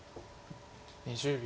２０秒。